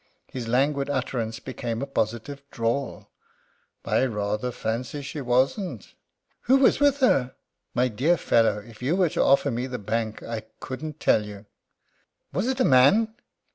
His languid utterance became a positive drawl: "I rather fancy she wasn't." "Who was with her?" "My dear fellow, if you were to offer me the bank I couldn't tell you." "Was it a man?"